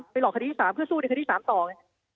หลอกคดีที่๓เพื่อสู้ในคดีที่๓ต่อไง